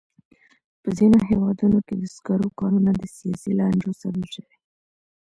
په ځینو هېوادونو کې د سکرو کانونه د سیاسي لانجو سبب شوي.